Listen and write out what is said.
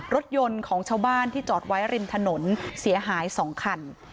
รถยนต์ของชาวบ้านที่จอดไว้ริมถนนเสียหาย๒คัน